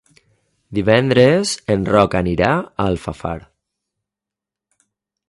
Divendres en Roc anirà a Alfafar.